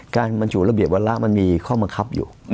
การบรรจุระเบียบวาระมันมีข้อบังคับอยู่